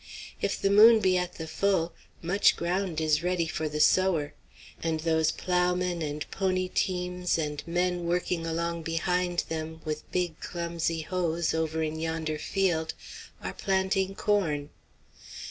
If the moon be at the full, much ground is ready for the sower; and those ploughmen and pony teams and men working along behind them with big, clumsy hoes, over in yonder field, are planting corn.